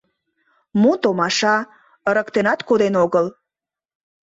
Мо томаша, ырыктенат коден огыл?